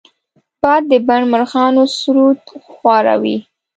باد د بڼ مرغانو سرود خواره وي